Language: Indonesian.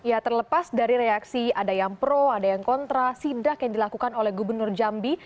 ya terlepas dari reaksi ada yang pro ada yang kontra sidak yang dilakukan oleh gubernur jambi